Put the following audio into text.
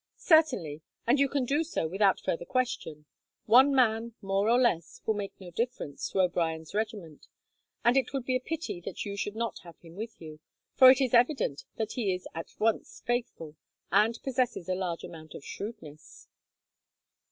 "Certainly; and you can do so without further question. One man, more or less, will make no difference to O'Brien's regiment, and it would be a pity that you should not have him with you, for it is evident that he is at once faithful, and possesses a large amount of shrewdness."